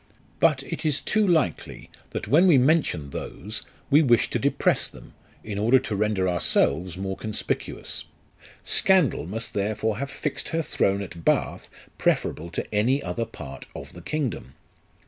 But it is too likely, that when we mention those, we wish to depress them, in order to render ourselves more conspicuous : scandal must therefore have fixed her throne at Bath preferable to any other part of the kingdom.